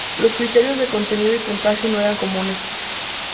Los criterios de contenidos y puntaje no eran comunes.